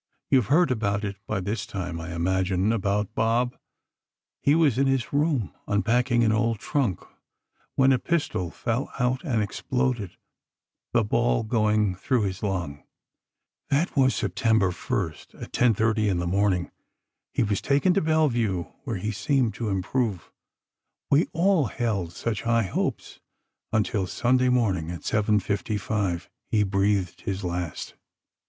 You have heard about it by this time, I imagine—about Bob: He was in his room, unpacking an old trunk, when a pistol fell out and exploded, the ball going through his lung. That was Sept, 1st, at 10:30 in the morning. He was taken to Bellevue, where he seemed to improve—we all held such high hopes—until Sunday morning, at 7:55, he breathed his last.